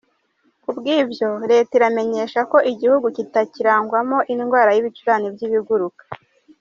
Ku bw’ibyo, Leta iramenyesha ko igihugu kitakirangwamo indwara y’ibicurane by’ibiguruka.